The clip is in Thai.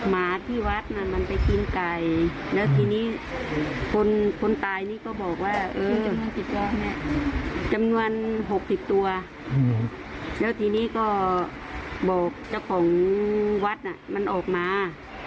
หมาที่วัดน่ะมันไปกินไก่แล้วทีนี้คนคนตายนี่ก็บอกว่าเออจำนวน๖๐ตัวแล้วทีนี้ก็บอกเจ้าของวัดน่ะมันออกมา